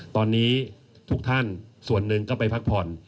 ตอนนี้ทุกท่านส่วนหนึ่งก็ไปพักผ่อน